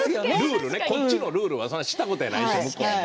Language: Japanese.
こっちのルールは知ったことやないし、向こうは。